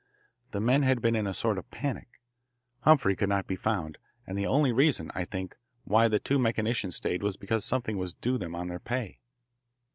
The men had been in a sort of panic; Humphrey could not be found, and the only reason, I think, why the two mechanicians stayed was because something was due them on their pay.